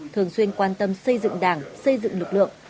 thường xuyên quan tâm xây dựng đảng xây dựng lực lượng